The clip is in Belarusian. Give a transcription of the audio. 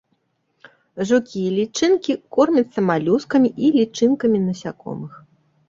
Жукі і лічынкі кормяцца малюскамі і лічынкамі насякомых.